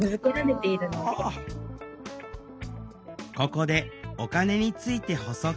ここでお金について補足。